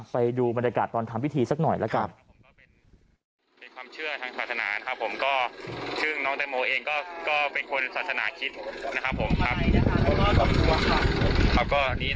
ไปดูบรรยากาศตอนทำพิธีสักหน่อยละกัน